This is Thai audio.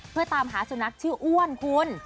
เพื่อตามหาสุนัขชื่ออ้วนคุณ